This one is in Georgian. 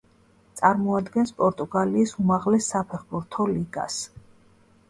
წარმოადგენს პორტუგალიის უმაღლეს საფეხბურთო ლიგას.